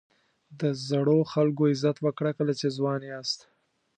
د زړو خلکو عزت وکړه کله چې ځوان یاست.